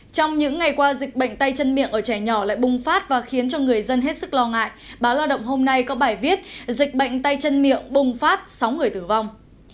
trong những ngày qua dịch bệnh tay chân miệng ở trẻ nhỏ lại bùng phát và khiến cho người dân hết sức lo ngại báo lao động hôm nay có bài viết dịch bệnh tay chân miệng bùng phát sáu người tử vong